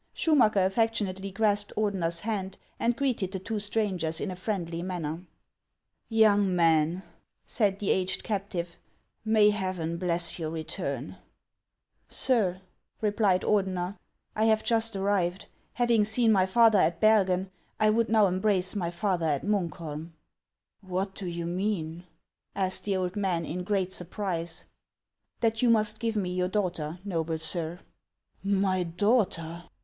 Schumacker affectionately grasped Ordener's hand, and greeted the two strangers in a friendly manner. 524 HANS OF ICELAND. " Young man," said the aged captive, " may Heaven bless your return !"" Sir," replied Ordener, " I have just arrived. Having seen my father at Bergen, I would now embrace my father at Munkholm." •' What do you mean ?" asked the old man. in great surprise. " That you must give me your daughter, noble sir." " My daughter